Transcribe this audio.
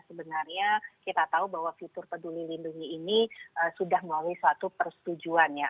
sebenarnya kita tahu bahwa fitur peduli lindungi ini sudah melalui suatu persetujuan ya